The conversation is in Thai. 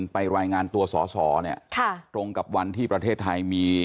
ไปรายงานตัวสอสอเนี่ยตรงกับวันที่ประเทศไทยมี